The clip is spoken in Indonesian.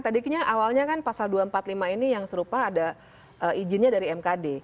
tadinya awalnya kan pasal dua ratus empat puluh lima ini yang serupa ada izinnya dari mkd